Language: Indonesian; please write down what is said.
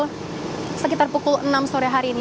sampai dengan pukul sepuluh malam kemarin